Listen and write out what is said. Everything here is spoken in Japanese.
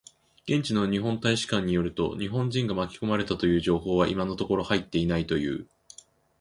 現地の日本大使館によると、日本人が巻き込まれたという情報は今のところ入っていないという。